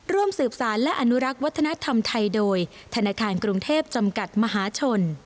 ร่วมสืบสารและอนุรักษ์วัฒนธรรมไทยโดยธนาคารกรุงเทพจำกัดมหาชน